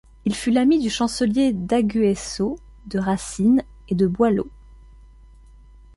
Il fut l'ami du chancelier d'Aguesseau, de Racine et de Boileau.